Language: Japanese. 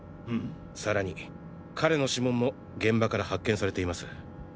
さらに彼の指紋も現場から発見されています。